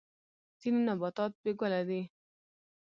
ځینې نباتات بې ګله دي